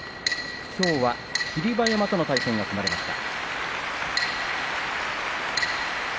きょうは霧馬山との対戦が組まれました。